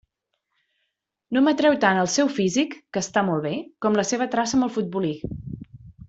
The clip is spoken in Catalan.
No m'atreu tant el seu físic, que està molt bé, com la seva traça amb el futbolí.